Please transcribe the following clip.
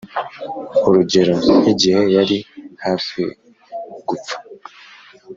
urugero nk igihe yari hafi gupfa